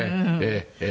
ええ。